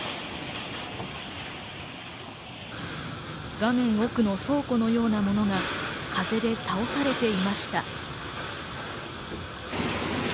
画面奥の倉庫のようなものが風で倒されていました。